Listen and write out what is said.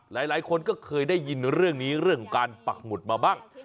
หลายคนก็เคยได้ยินเรื่องนี้เรื่องของการปักหมุดมาบ้าง